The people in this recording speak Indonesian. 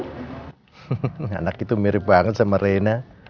hehehe anak itu mirip banget sama rena